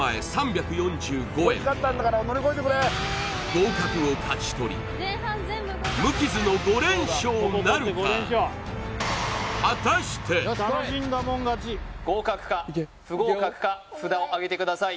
合格を勝ち取り無傷の５連勝なるか合格か不合格か札をあげてください